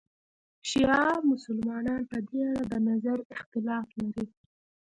شیعه مسلمانان په دې اړه د نظر اختلاف لري.